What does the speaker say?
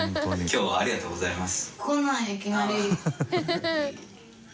きょうはありがとうございます。